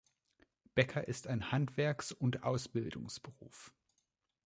Bäcker ist ein Handwerks- und Ausbildungsberuf.